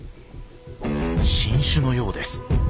新種のようです。